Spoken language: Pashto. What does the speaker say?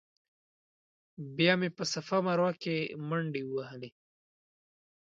بیا مې په صفا مروه کې منډې ووهلې.